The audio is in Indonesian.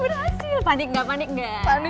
aldino sama arin salah apa ya